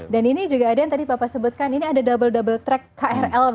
dan ini juga ada yang tadi bapak sebutkan ini ada double double track krl